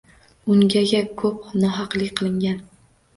Ungaga ko‘p nohaqlik qilingan.